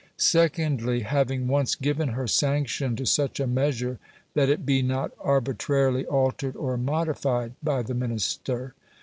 Secondly, having once given her sanction to such a measure that it be not arbitrarily altered or modified by the Minister.